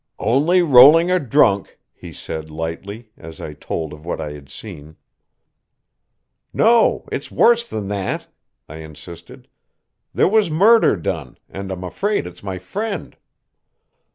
"Only rolling a drunk," he said lightly, as I told of what I had seen. "No, it's worse than that," I insisted. "There was murder done, and I'm afraid it's my friend."